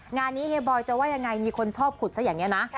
งานนี้เฮียบอยจะว่ายังไงมีคนชอบขุดซะอย่างนี้นะ